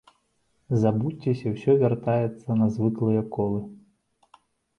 Забудзьцеся, усё вяртаецца на звыклыя колы.